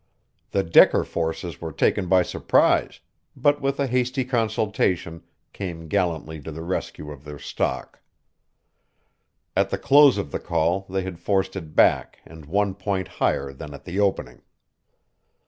The Decker forces were taken by surprise, but with a hasty consultation came gallantly to the rescue of their stock. At the close of the call they had forced it back and one point higher than at the opening.